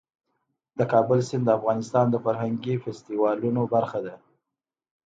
د کابل سیند د افغانستان د فرهنګي فستیوالونو برخه ده.